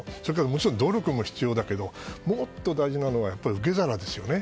もちろん努力も必要だけどもっと必要なのは受け皿ですよね。